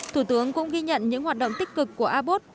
thủ tướng cũng ghi nhận những hoạt động tích cực của abot